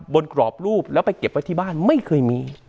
กรอบรูปแล้วไปเก็บไว้ที่บ้านไม่เคยมี